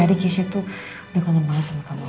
ada tadi kiasnya tuh udah kangen banget sama kamu